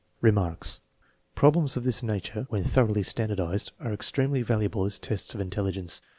Remarks. Problems of this nature, when thoroughly standardized, are extremely valuable as tests of intelli gence.